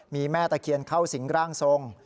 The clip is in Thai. มีแม่ตะเคียนเข้าสิงร่างทรง